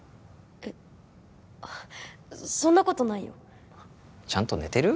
えそんなことないよちゃんと寝てる？